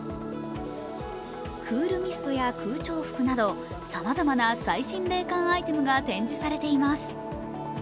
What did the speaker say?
クールミストや空調服などさまざまな最新冷感アイテムが展示されています。